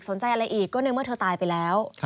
อะไรอีกก็ในเมื่อเธอตายไปแล้ว